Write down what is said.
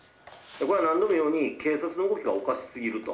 これは何度も言うように警察の動きがおかしすぎると。